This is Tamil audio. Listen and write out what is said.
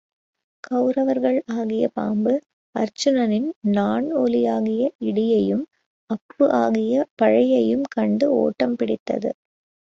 கவுரவர்கள் ஆகிய பாம்பு அர்ச்சுனனின் நாண் ஒலியாகிய இடியையும் அப்பு ஆகிய பழையையும் கண்டு ஒட்டம் பிடித்தது.